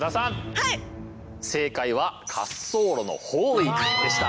正解は滑走路の方位でした。